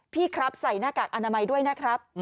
พี่ครับใส่หน้ากากอนามัยด้วยนะครับ